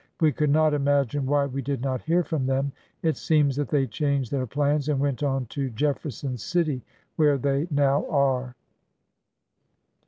We could not imagine why we did not hear from them. It seems that they changed their plans and went on to Jefferson City, where they now are.